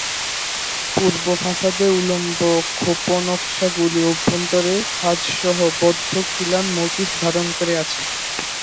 পূর্ব ফাসাদে উল্লম্ব খোপনকশাগুলি অভ্যন্তরে খাজসহ বদ্ধখিলান মটিফ ধারণ করে আছে।